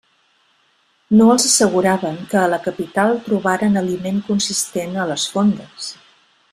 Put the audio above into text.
No els asseguraven que a la capital trobaren aliment consistent a les fondes.